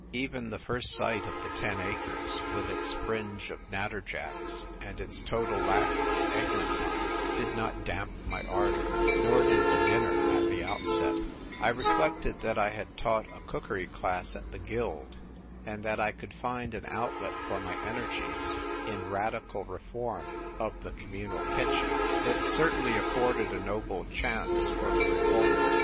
Even the first sight of the ten acres, with its fringe of natterjacks and its total lack of eg lantine, did not damp my ardour ; nor did the dinner at the outset, I reflected that I had taught a cookery class at the Guild, and that I could find an outlet for my energies in radical reform of the Communal kitchen. It certainly afforded a noble chance for the reformer.